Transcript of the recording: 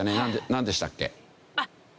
なんでしたっけ？